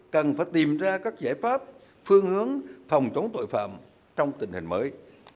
cần phải tìm ra các giải pháp phương hướng phòng chống tội phạm trong tình hình mới